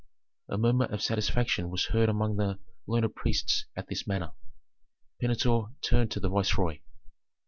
A murmur of satisfaction was heard among the learned priests at this manner. Pentuer turned to the viceroy.